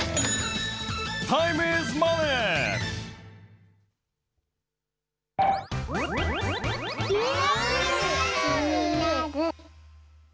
タイム・イズ・マネー！